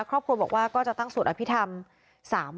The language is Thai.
ครอบครัวบอกว่าก็จะตั้งสวดอภิษฐรรม